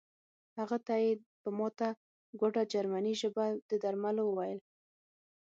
هغه ته یې په ماته ګوډه جرمني ژبه د درملو وویل